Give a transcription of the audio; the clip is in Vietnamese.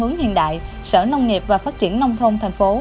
nông nghiệp và phát triển nông thôn thành phố